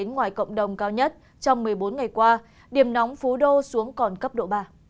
ngoài cộng đồng cao nhất trong một mươi bốn ngày qua điểm nóng phú đô xuống còn cấp độ ba